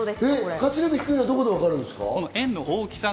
活力が低いのはどこでわかるんですか？